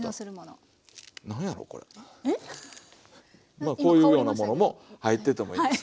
まあこういうようなものも入っててもいいんです。